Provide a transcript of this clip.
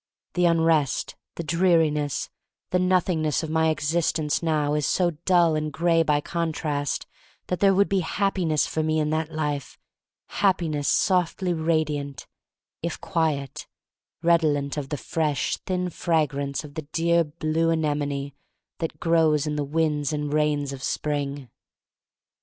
The unrest, the dreariness, the Nothingness of my existence now is so dull and gray by contrast that there would be Happiness for me in that life. Happiness softly radiant, if quiet — redolent of the fresh, thin fragrance of the dear blue anemone that grows in the winds and rains of spring.